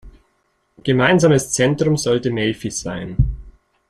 Gemeinsames Zentrum sollte Melfi sein.